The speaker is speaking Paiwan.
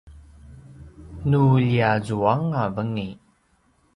nu ljiazuanga vengin